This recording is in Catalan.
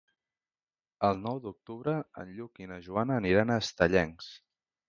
El nou d'octubre en Lluc i na Joana aniran a Estellencs.